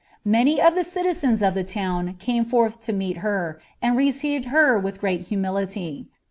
Many of ihe citizens of the town came fart.*! to meet her, and received her with great humility.